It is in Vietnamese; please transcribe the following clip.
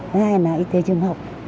thứ hai là y tế trường học